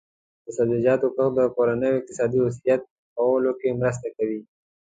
د سبزیجاتو کښت د کورنیو اقتصادي وضعیت ښه کولو کې مرسته کوي.